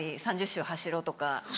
３０周走ろうとか。